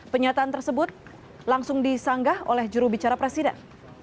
pernyataan tersebut langsung disanggah oleh jurubicara presiden